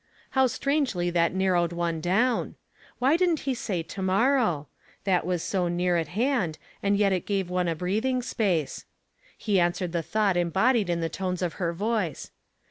How strangely that narrowed one down. Wh}^ didn't he say to morrow? — that was so near at hand, and yet it gave one a breathing space. He answered the thought embodied in the tones of her voice.